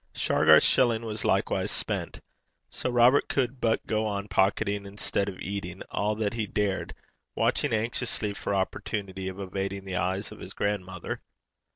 Shargar's shilling was likewise spent. So Robert could but go on pocketing instead of eating all that he dared, watching anxiously for opportunity of evading the eyes of his grandmother.